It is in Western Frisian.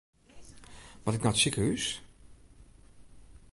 Moat ik nei it sikehús?